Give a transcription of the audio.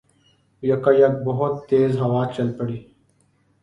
یکایک بہت تیز ہوا چل پڑی